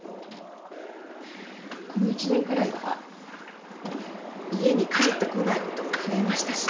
この１年くらいは家に帰ってこないことも増えましたしね。